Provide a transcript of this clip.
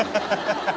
ハハハ。